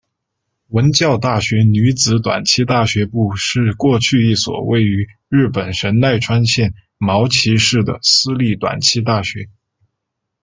文教大学女子短期大学部是过去一所位于日本神奈川县茅崎市的私立短期大学。